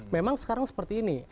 memang sekarang sepertinya